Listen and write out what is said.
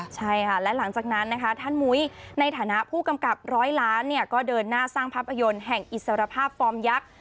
ใช่ค่ะและหลังจากนั้นนะคะท่านมุ้ยในฐานะผู้กำกับร้อยล้านเนี่ยก็เดินหน้าสร้างภาพยนตร์แห่งอิสรภาพฟอร์มยักษ์